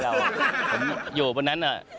เเบอร์เศสก็ทำอะไรได้อยู่บนนั้นน่ะ